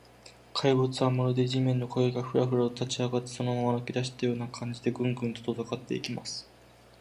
怪物は、まるで地面の影が、フラフラと立ちあがって、そのまま歩きだしたような感じで、グングンと遠ざかっていきます。